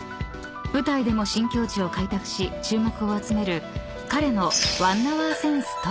［舞台でも新境地を開拓し注目を集める彼の］